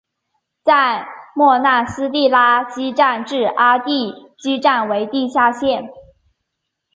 在莫纳斯蒂拉基站至阿蒂基站为地下线。